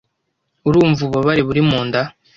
urumva ububabare buri munda